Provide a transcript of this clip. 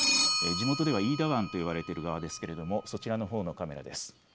地元では飯田湾と言われてる側ですけれどもそちらのほうのカメラです。